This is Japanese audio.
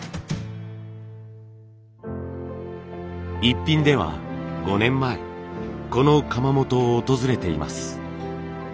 「イッピン」では５年前この窯元を訪れています。